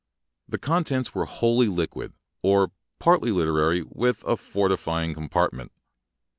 The contents were wholly liquid or partly literary with a fortifying compartment.